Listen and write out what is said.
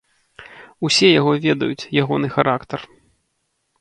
Усе яго ведаюць, ягоны характар.